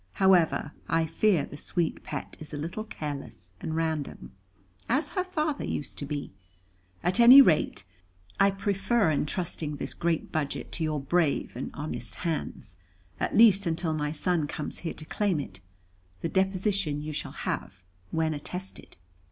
However, I fear the sweet pet is a little careless and random, as her father used to be. At any rate, I prefer entrusting this great budget to your brave and honest hands; at least until my son comes here to claim it. The deposition you shall have, when attested."